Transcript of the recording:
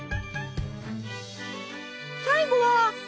最後は。